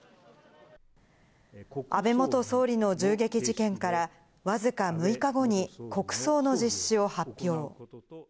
安倍元総理の銃撃事件から僅か６日後に、国葬の実施を発表。